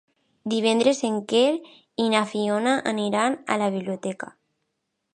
Divendres en Quer i na Fiona aniran a la biblioteca.